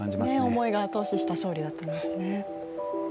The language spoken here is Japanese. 思いが後押しした勝利だったんですね。